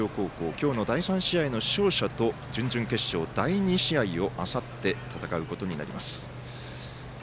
今日の第３試合の勝者と準々決勝を戦うことになります。